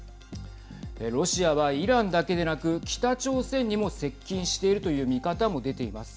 ロシアはイランだけでなく北朝鮮にも接近しているという見方も出ています。